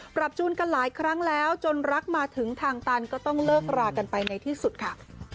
จูนกันหลายครั้งแล้วจนรักมาถึงทางตันก็ต้องเลิกรากันไปในที่สุดค่ะ